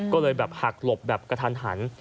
ก็เลยหักหลบแบบกระทัน